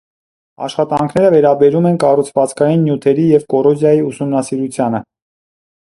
Աշխատանքները վերաբերում են կառուցվածքային նյութերի և կոռոզիայի ուսումնասիրությանը։